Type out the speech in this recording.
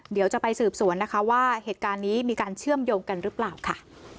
เดี๋ยวจะไปสืบสวนนะคะว่าเหตุการณ์นี้มีการเชื่อมโยงกันหรือเปล่าค่ะ